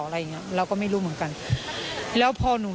ส่วนรถที่นายสอนชัยขับอยู่ระหว่างการรอให้ตำรวจสอบ